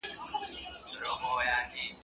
o پور چي تر سلو تېر سي، وچه مه خوره.